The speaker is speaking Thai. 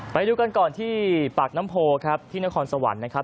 ไปดูกันก่อนที่ปากน้ำโพครับที่นครสวรรค์นะครับ